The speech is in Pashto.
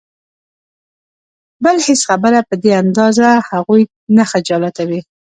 بله هېڅ خبره په دې اندازه هغوی نه خجالتوي.